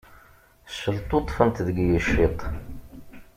Celṭuṭṭfent deg yiciṭ.